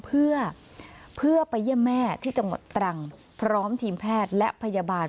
เพื่อไปเยี่ยมแม่ที่จังหวัดตรังพร้อมทีมแพทย์และพยาบาล